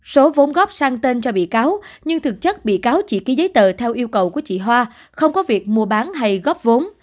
số vốn góp sang tên cho bị cáo nhưng thực chất bị cáo chỉ ký giấy tờ theo yêu cầu của chị hoa không có việc mua bán hay góp vốn